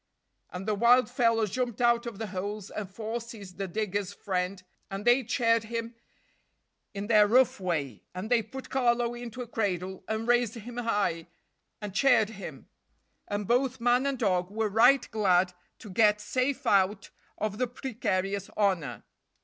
And the wild fellows jumped out of the holes, and four seized the diggers' friend, and they chaired him in their rough way, and they put Carlo into a cradle, and raised him high, and chaired him; and both man and dog were right glad to get safe out of the precarious honor.